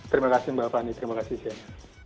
terima kasih mbak fani terima kasih cnn